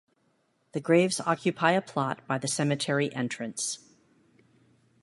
The graves occupy a plot by the cemetery entrance.